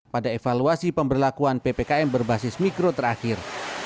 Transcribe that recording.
pada evaluasi pemberlakuan ppkm berbasis mikro terakhir